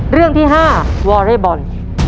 เรื่องที่๕วอเรย์บอล